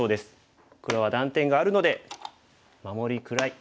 黒は断点があるので守りくらい。